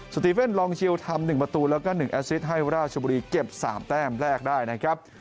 ติเว่นลองชิวทำ๑ประตูแล้วก็๑แอสซิตให้ราชบุรีเก็บ๓แต้มแรกได้นะครับ